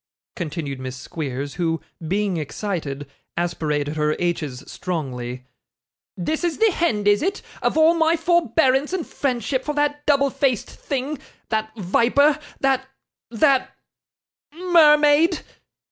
continued Miss Squeers, who, being excited, aspirated her h's strongly; 'this is the hend, is it, of all my forbearance and friendship for that double faced thing that viper, that that mermaid?